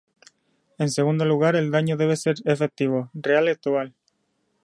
En segundo lugar, el daño debe ser efectivo: real y actual.